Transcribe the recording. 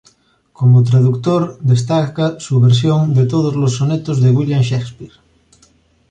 Como traductor, destaca su versión de todos los sonetos de William Shakespeare.